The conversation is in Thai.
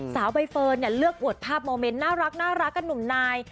สาวใบเฟิร์นเลือกอวดภาพโมเมนต์น่ารักกับหนุ่มนาย